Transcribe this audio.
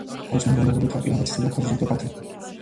აქვს მომრგვალო ქარპირა და ციცაბო ქარზურგა კალთები.